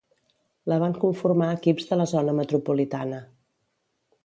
La van conformar equips de la zona metropolitana.